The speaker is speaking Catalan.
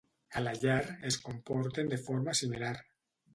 A la llar, es comporten de forma similar.